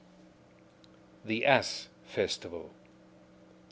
THE ASS FESTIVAL.